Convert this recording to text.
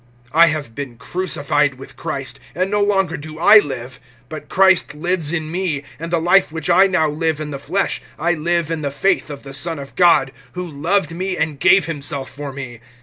(20)I have been crucified with Christ; and no longer do I live, but Christ lives in me; and the life which I now live in the flesh I live in the faith of the Son of God, who loved me, and gave himself for me.